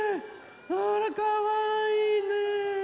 あらかわいいね。